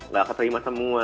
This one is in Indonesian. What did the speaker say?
gak keterima semua